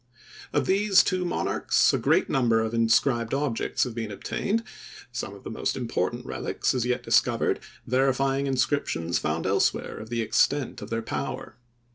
Of these two monarchs a great number of inscribed objects have been obtained, some of the most important relics as yet discovered verifying inscriptions found elsewhere of the extent of their power.